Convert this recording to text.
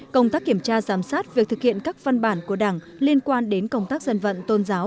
công tác kiểm tra giám sát việc thực hiện các văn bản của đảng liên quan đến công tác dân vận tôn giáo